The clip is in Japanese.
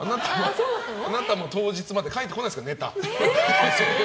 あなたも当日まで書いてこないですから、ネタ。